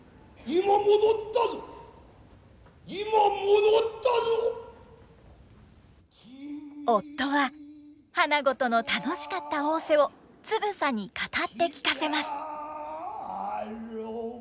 アアアアさて夫は花子との楽しかった逢瀬をつぶさに語って聞かせます。